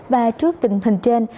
và trước tình hình trên